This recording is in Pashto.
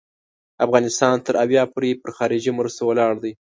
افغانستان تر اویا پوري پر خارجي مرستو ولاړ دی.